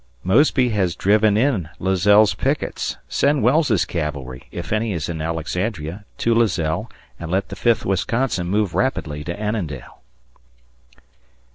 Mosby has driven in Lazelle's pickets. Send Wells' cavalry, if any is in Alexandria, to Lazelle and let the Fifth Wisconsin move rapidly to Annandale.